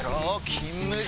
「金麦」